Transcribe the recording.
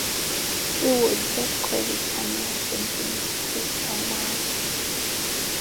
She would get credit for no sinkings this time out.